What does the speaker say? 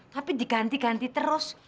tapi diganti ganti terus